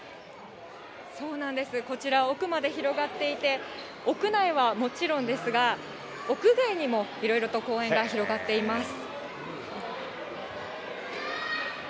そうなんです、こちら、奥まで広がっていて、屋内はもちろんですが、屋外にもいろいろと公園が広がっています。